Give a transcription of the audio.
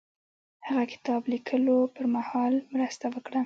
هغه د کتاب لیکلو پر مهال مرسته وکړه.